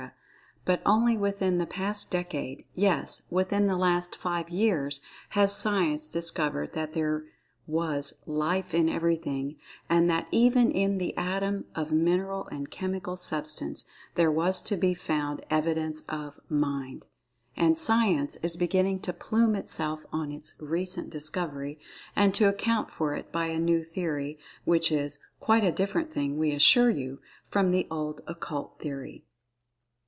But, only within the past decade—yes, within the last five years, has Science discovered that there was Life in Everything, and that even in the Atom of mineral and chemical substance, there was to be found evidence of Mind. And Science is beginning to plume itself on its "recent discovery," and to account for it by a new theory, which is "quite a different thing, we assure you," from the old Occult Theory.